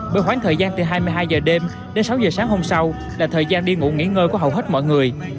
bởi khoảng thời gian từ hai mươi hai h đêm đến sáu giờ sáng hôm sau là thời gian đi ngủ nghỉ ngơi của hầu hết mọi người